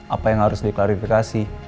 apa yang harus diklarifikasi